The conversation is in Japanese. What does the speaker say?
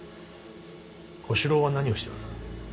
小四郎は何をしておる。